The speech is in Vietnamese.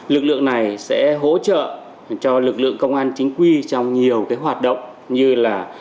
lực lượng này sẽ hỗ trợ cho lực lượng công an chính quy trong nhiều hoạt động như là